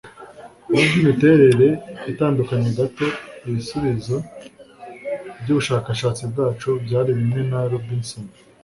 Nubwo imiterere itandukanye gato ibisubizo byubushakashatsi bwacu byari bimwe na Robinson